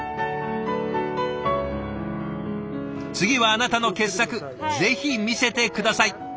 次はあなたの傑作ぜひ見せて下さい。